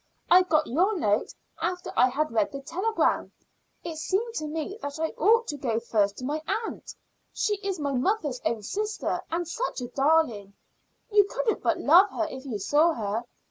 I got your note after I had read the telegram. It seemed to me that I ought to go first to my aunt. She is my mother's own sister, and such a darling. You couldn't but love her if you saw her.